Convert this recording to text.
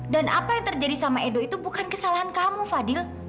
dan apa yang terjadi sama edo itu bukan kesalahan kamu fadil